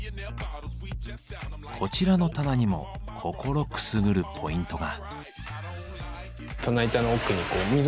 こちらの棚にも心くすぐるポイントが。